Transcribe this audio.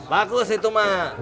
bagus itu mak